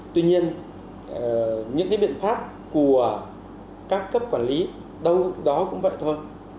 tuy nhiên những cái biện pháp của các cấp quản lý đâu đó cũng vậy thôi